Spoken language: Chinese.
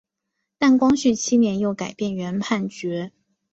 但光绪七年又改变原判决。